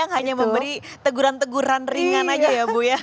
hanya memberi teguran teguran ringan saja ya bu ya